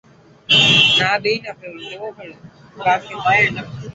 না দিই না দেব ফেরত, তার কিছু এসে যাবে না তাতে।